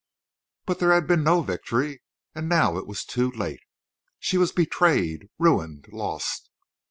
_" But there had been no victory. And now it was too late. She was betrayed, ruined, lost.